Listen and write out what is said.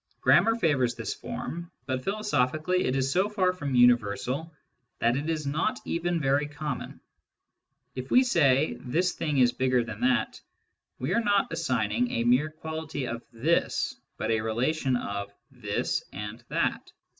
Grammar favours this form, but philosophically it is so far from universal that it is not even very common. If we say " this thing is bigger than that," we are not assigning a mere quality of " this," but a relation of " this " and " that."